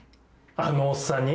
あのおっさんに？